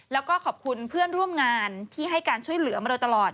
แล้วก็ขอบคุณเพื่อนร่วมงานที่ให้การช่วยเหลือมาโดยตลอด